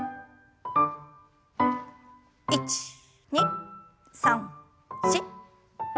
１２３４。